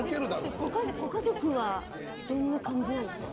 ご家族はどんな感じなんですか。